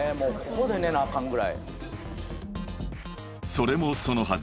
［それもそのはず］